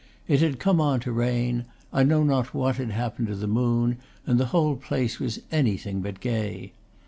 It had come on to rain, I know not what had happened to the moon, and the whole place was anything but gay.